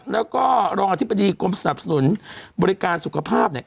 แล้วก็รองอธิบดีกรมสนับสนุนบริการสุขภาพเนี่ย